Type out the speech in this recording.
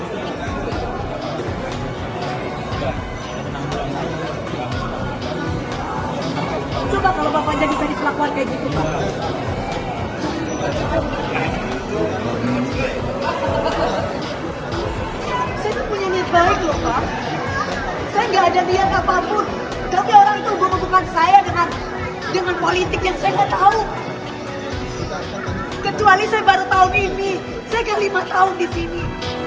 saya tuh punya niat baik loh pak saya gak ada niat apapun tapi orang itu hubungan saya dengan politik yang saya gak tahu kecuali saya baru tahun ini saya kan lima tahun di sini